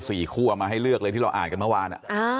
สี่คู่เอามาให้เลือกเลยที่เราอ่านกันเมื่อวาน